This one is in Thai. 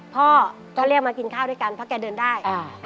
พ่อก็เรียกมากินข้าวด้วยกันเพราะแกเดินได้